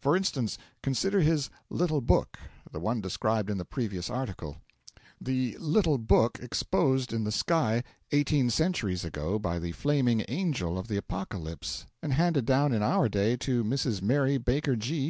For instance, consider his 'little book' the one described in the previous article; the 'little book' exposed in the sky eighteen centuries ago by the flaming angel of the Apocalypse and handed down in our day to Mrs. Mary Baker G.